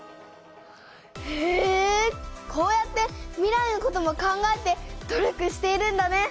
へえこうやって未来のことも考えて努力しているんだね。